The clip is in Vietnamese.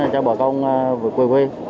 cho bà con về quê quê